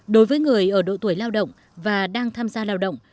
đối với người ở độ tuổi lao động và đang tham gia lao động